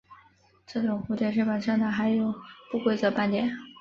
这种蝴蝶翅膀上的还有不规则斑点。